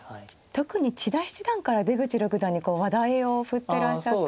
特に千田七段から出口六段に話題を振ってらっしゃったり。